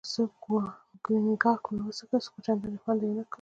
یو څه کونیګاک مې وڅېښه، خو چندانې خوند یې ونه کړ.